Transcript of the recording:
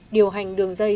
điều hành đường dây